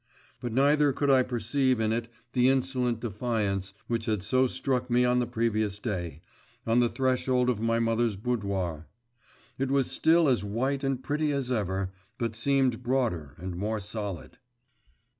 But neither could I perceive in it the insolent defiance, which had so struck me on the previous day, on the threshold of my mother's boudoir. It was still as white and pretty as ever, but seemed broader and more solid.